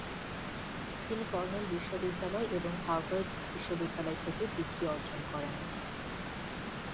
তিনি কর্নেল বিশ্ববিদ্যালয় এবং হার্ভার্ড বিশ্ববিদ্যালয় থেকে ডিগ্রী অর্জন করেন।